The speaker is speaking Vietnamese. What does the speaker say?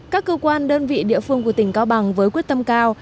các cơ quan đơn vị địa phương của tỉnh cao bằng với quyết tâm cao